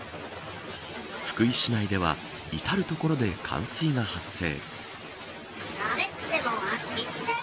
福井市内では至る所で冠水が発生。